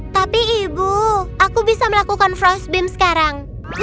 tapi ibu aku bisa melakukan frost beam sekarang